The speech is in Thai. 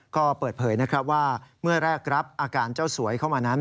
ก็เปิดเผยนะครับว่าเมื่อแรกรับอาการเจ้าสวยเข้ามานั้น